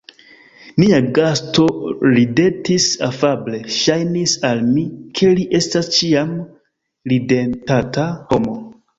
Nia gasto ridetis afable; ŝajnis al mi, ke li estas ĉiam ridetanta homo.